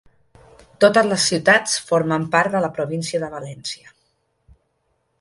Totes les ciutats formen part de la província de València.